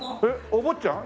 お坊ちゃん？